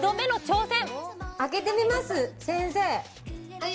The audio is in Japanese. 開けてみます先生